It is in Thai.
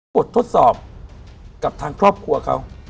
บททดสอบกับทางครอบครัวเขา